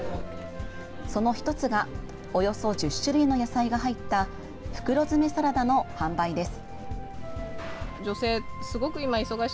その１つがおよそ１０種類の野菜が入った袋詰めサラダの販売です。